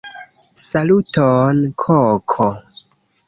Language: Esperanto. Saluton koko!